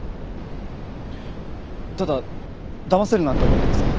ただだませるなんて思ってません。